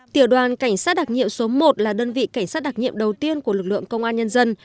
tiểu đoàn cảnh sát đặc nhiệm số một là đơn vị cảnh sát đặc nhiệm đầu tiên của lực lượng công an nhân dân